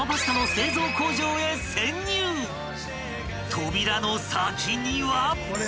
［扉の先には］